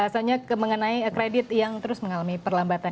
selanjutnya mengenai kredit yang terus mengalami perlambatan